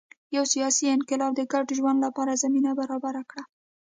یو سیاسي انقلاب د ګډ ژوند لپاره زمینه برابره کړه.